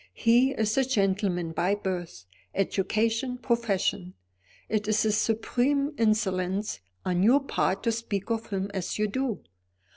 He is a gentleman by birth, education, profession. It is a supreme insolence on your part to speak of him as you do.